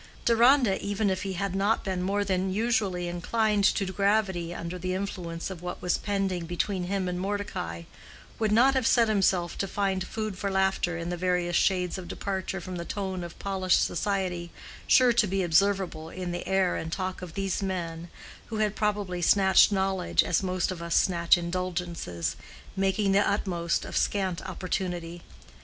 Deronda, even if he had not been more than usually inclined to gravity under the influence of what was pending between him and Mordecai, would not have set himself to find food for laughter in the various shades of departure from the tone of polished society sure to be observable in the air and talk of these men who had probably snatched knowledge as most of us snatch indulgences, making the utmost of scant opportunity.